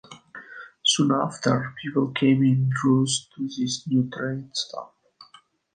Soon after, people came in droves to this new train stop.